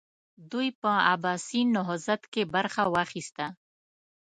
دوی په عباسي نهضت کې برخه واخیسته.